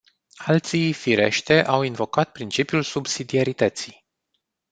Alții, firește, au invocat principiul subsidiarității.